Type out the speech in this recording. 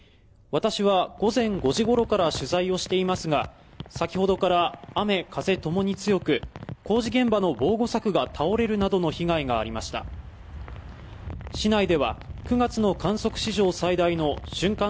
私は午前５時ごろから取材をしていますが先ほどから雨風ともに強く工事現場の防護柵が倒れるなどの被害がありました市内では９月の観測史上最大の瞬間